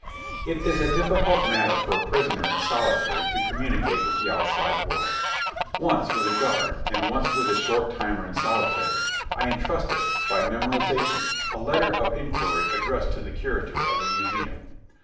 It is a difficult matter for a prisoner in solitary to communicate with the outside world. Once, with a guard, and once with a short timer in solitary, I entrusted, by memorization, a letter of inquiry addressed to the curator of the Museum.